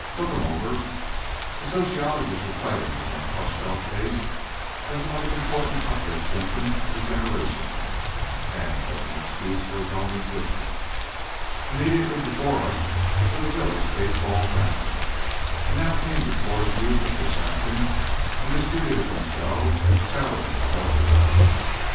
Look 'em over. The sociologist was citing the Van Plushvelt case as the most important "uplift" symptom of a generation, and as an excuse for his own existence. Immediately before us were the village baseball grounds. And now came the sportive youth of Fishampton and distributed themselves, shouting, about the diamond.